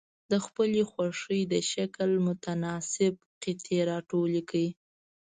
د خپلې خوښې د شکل متناسب قطي را ټولې کړئ.